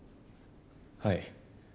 はい。